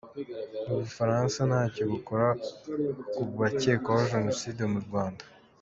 U Bufaransa ntacyo bukora ku bakekwaho Jenoside mu Rwanda